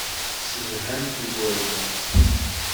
Tessedhamt igerdan.